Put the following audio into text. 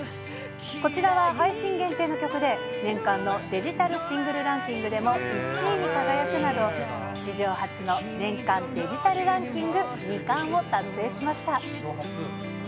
こちらは配信限定の曲で、年間のデジタルシングルランキングでも１位に輝くなど、史上初の年間デジタルランキング２冠を達成しました。